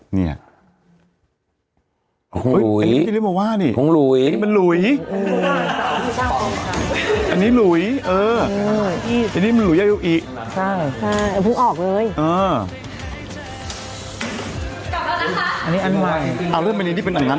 อันนี้มันข่าวมันผิดนะ